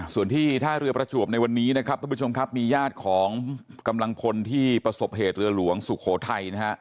ส่วนที่ท่าเรือประจวบในวันนี้นะครับท่านผู้ชมครับมีญาติของกำลังพลที่ประสบเหตุเรือหลวงสุโขทัยนะฮะ